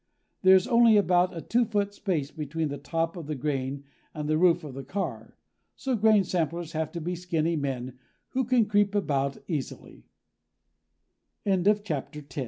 There is only about a two foot space between the top of the grain and the roof of the car. So grain samplers have to be skinny men who can creep about easily. [Illustr